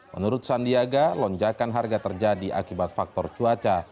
menurut sandiaga lonjakan harga terjadi akibat faktor cuaca